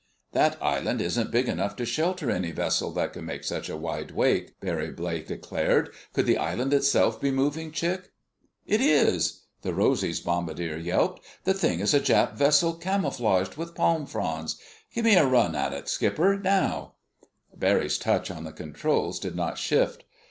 "That island isn't big enough to shelter any vessel that could make such a wide wake," Barry Blake declared. "Could the island itself be moving, Chick?" "It is!" the Rosy's bombardier yelped. "The thing is a Jap vessel camouflaged with palm fronds. Give me a run on it, Skipper ... now!" Barry's touch on the controls did not shift.